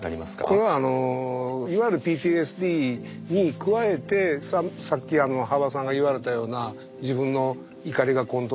これはいわゆるＰＴＳＤに加えてさっき羽馬さんが言われたような自分の怒りがコントロールできなかったりとか